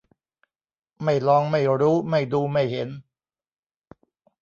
ไม่ลองไม่รู้ ไม่ดูไม่เห็น